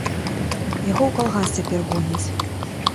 Яго ў калгас цяпер гоняць.